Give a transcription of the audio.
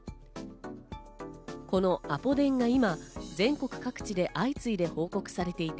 このアポ電が今、全国各地で相次いで報告されていて、